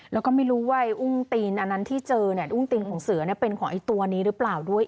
แล้วก็ไม่รู้ว่าไอ้อุ้งตีนอันนั้นที่เจอเนี่ยอุ้งตีนของเสือเป็นของไอ้ตัวนี้หรือเปล่าด้วย